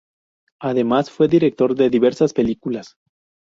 Además fue director de diversas películas.